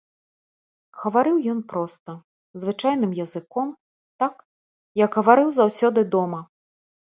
Гаварыў ён проста, звычайным языком, так, як гаварыў заўсёды дома.